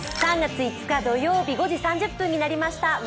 ３月５日土曜日午後５時３０分になりました。